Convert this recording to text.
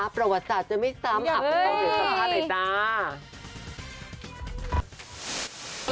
ประวัติศาสตร์จะไม่ซ้ำครับไม่ต้องเหลือภาพไอ้ตา